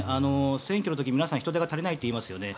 選挙の時、皆さん人手が足りないと言いますよね。